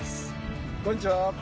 こんにちは。